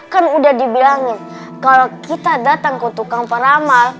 kan udah dibilangin kalau kita datang ke tukang paramal